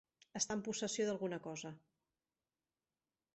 Estar en possessió d'alguna cosa.